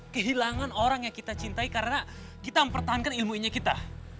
kehilangan orang yang kita cintai karena kita mempertahankan ilmunya kita